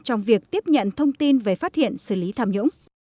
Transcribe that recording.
trong việc tiếp nhận thông tin về phát hiện xử lý tham nhũng